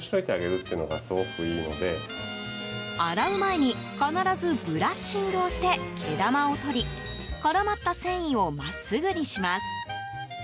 洗う前に必ずブラッシングをして、毛玉を取り絡まった繊維を真っすぐにします。